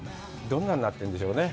どんなになってるでしょうね。